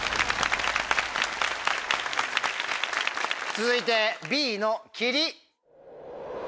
続いてＢのキリ。